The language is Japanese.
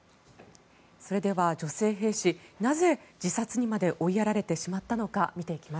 それでは女性兵士なぜ、自殺にまで追いやられてしまったのか見ていきます。